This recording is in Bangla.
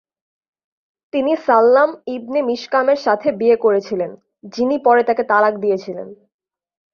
তিনি সাল্লাম ইবনে মিশকামের সাথে বিয়ে করেছিলেন, যিনি পরে তাকে তালাক দিয়েছিলেন।